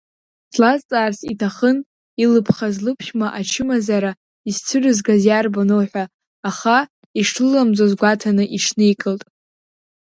Длазҵаарц иҭахын илыԥхаз лыԥшәма ачымазара изцәырызгаз иарбану ҳәа, аха ишлыламӡоз гәаҭаны иҽникылт.